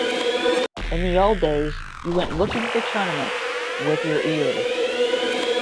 In the old days you went looking for tournaments with your ears.